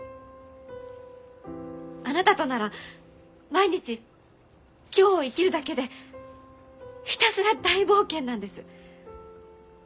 あなたとなら毎日今日を生きるだけでひたすら大冒険なんです。